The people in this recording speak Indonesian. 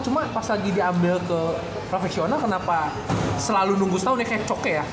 cuma pas lagi diambil ke profesional kenapa selalu nunggu setahun ya kayak coke ya